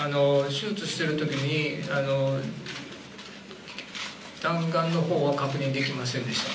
手術している時に弾丸のほうは確認できませんでした。